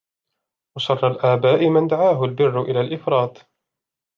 وَشَرَّ الْآبَاءِ مَنْ دَعَاهُ الْبِرُّ إلَى الْإِفْرَاطِ